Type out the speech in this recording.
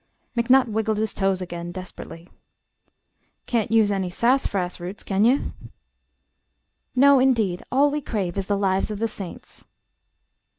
McNutt wiggled his toes again, desperately. "Can't use any sas'frass roots, can ye?" "No, indeed; all we crave is the 'Lives of the Saints.'"